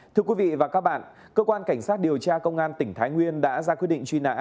thưa quý vị và các bạn cơ quan cảnh sát điều tra công an tỉnh thái nguyên đã ra quyết định truy nã